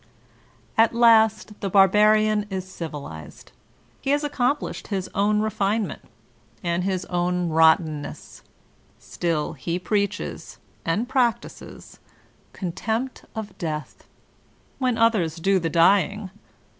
At last the barbarian is civilized ; he has accomplished his own refinement — and hb own rottenness. Still he preaches (and practices) contempt of death — ^when others do the dying!